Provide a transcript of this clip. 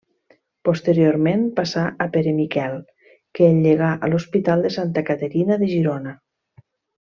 Posteriorment passà a Pere Miquel que el llegà a l'hospital de Santa Caterina de Girona.